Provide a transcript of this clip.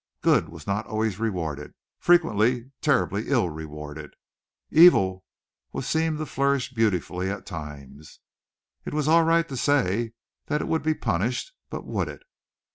Good was not always rewarded frequently terribly ill rewarded. Evil was seen to flourish beautifully at times. It was all right to say that it would be punished, but would it?